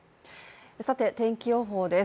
さて、天気予報です。